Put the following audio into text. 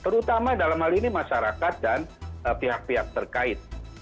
terutama dalam hal ini masyarakat dan pihak pihak terkait